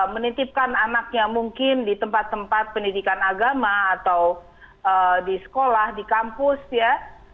menitipkan anaknya mungkin di tempat tempat pendidikan agama atau di sekolah di kampus ya